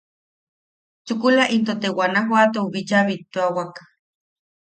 Chukula into te Guanajuatou bícha bittuawak.